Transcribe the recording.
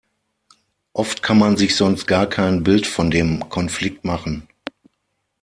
Oft kann man sich sonst gar kein Bild von dem Konflikt machen.